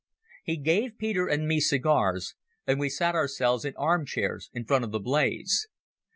He gave Peter and me cigars, and we sat ourselves in armchairs in front of the blaze.